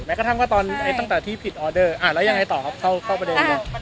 แม้ก็ทั้งก็ตอนตั้งแต่ที่ผิดออเดอร์อ่าแล้วยังไงต่อเขาเข้าประเด็น